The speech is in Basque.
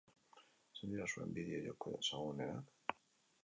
Zein dira zuen bideo-joko ezagunenak?